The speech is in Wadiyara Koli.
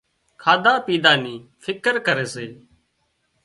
کاڌا پيڌا ني فڪر ڪري سي